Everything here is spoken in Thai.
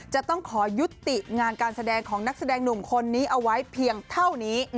จะต้องขอยุติงานการแสดงของนักแสดงหนุ่มคนนี้เอาไว้เพียงเท่านี้